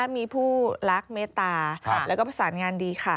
๖๕มีผู้รักเมตตาแล้วก็ภาษางานดีค่ะ